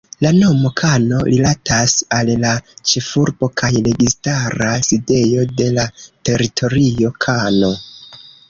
La nomo "Kano" rilatas al la ĉefurbo kaj registara sidejo de la teritorio, Kano.